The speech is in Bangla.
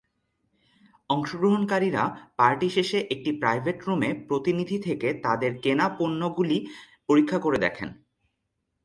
অংশগ্রহণকারীরা পার্টি শেষে একটি প্রাইভেট রুমে প্রতিনিধি থেকে তাদের কেনা পণ্যগুলি পরীক্ষা করে দেখেন।